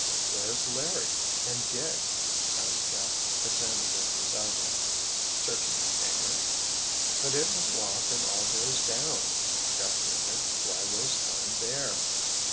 "Where's Larry—and Dick?" asked Jeff, as Sandy ran beside him. "Searching the hangar——" "But it was locked and all doors down," Jeff grunted. "Why waste time there?"